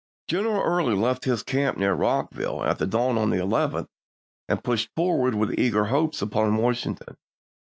General Early left his camp near Rockville at dawn on the 11th, and pushed forward with eager juiy, i864, hopes upon Washington.